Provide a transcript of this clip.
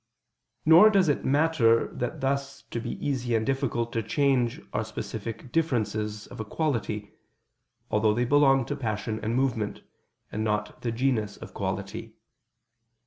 Nor does it matter that thus to be easy and difficult to change are specific differences (of a quality), although they belong to passion and movement, and not the genus of quality.